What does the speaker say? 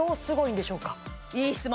いい質問